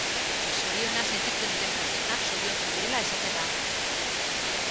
Zoriona sentitzen duten pertsonak zoriontsu direla esaten da.